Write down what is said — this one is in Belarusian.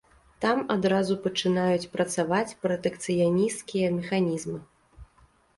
Там адразу пачынаюць працаваць пратэкцыянісцкія механізмы.